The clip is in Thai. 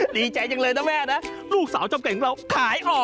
ดีใจจังเลยนะแม่นะลูกสาวจบเก่งของเราขายออก